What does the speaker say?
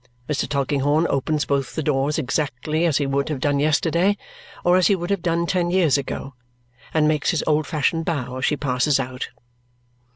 Mr. Tulkinghorn opens both the doors exactly as he would have done yesterday, or as he would have done ten years ago, and makes his old fashioned bow as she passes out.